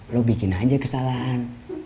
lo bikin aja kesalahan